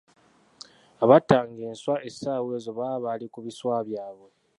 Abattanga enswa essaawa ezo baba bali ku biswa byabwe.